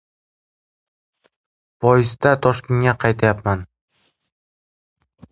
Poyezdda Toshkentga qaytyapman.